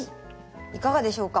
いかがでしょうか？